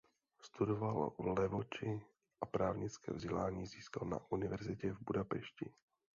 Studoval v Levoči a právnické vzdělání získal na univerzitě v Budapešti.